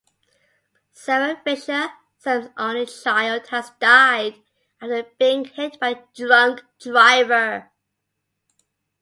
Sarah Fisher, Sam's only child, has died after being hit by a drunk driver.